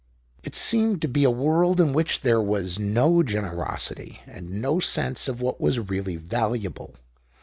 It seemed to be a world in which there was no generosity, and no sense of what was really valuable.